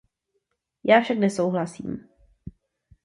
Já však nesouhlasím.